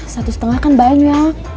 satu setengah kan banyak